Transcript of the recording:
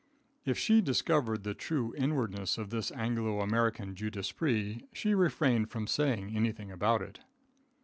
If she discovered the true inwardness of this Anglo American "Jewdesprit," she refrained from saying anything about it.